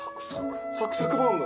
サクサクバウム。